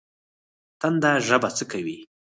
تنده ژبه څه کوي؟